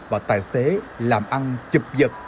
và tài xế làm ăn chụp vật